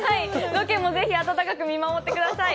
ロケもぜひ温かく見守ってください。